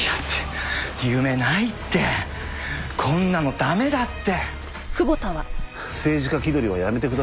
こんなの駄目だって。